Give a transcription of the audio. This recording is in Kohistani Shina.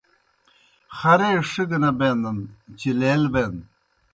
خرے ݜِکہ نہ بینَن چہ لیل بین۔